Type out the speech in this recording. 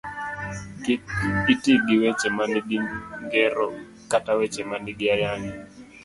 Kik iti gi weche manigi ngero kata weche manigi ayany.